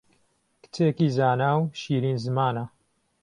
کچێکی زانا و شیرین زمانە